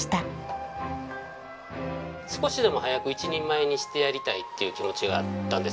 少しでも早く一人前にしてやりたいっていう気持ちがあったんですよ。